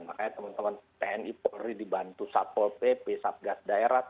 makanya teman teman tni polri dibantu satpol pp satgas daerah